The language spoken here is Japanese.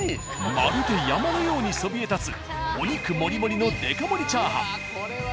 まるで山のようにそびえ立つお肉盛り盛りのデカ盛りチャーハン。